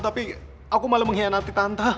tapi aku malah mengkhianati tante